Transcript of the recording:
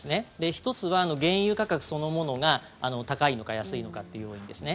１つは、原油価格そのものが高いのか安いのかという要因ですね。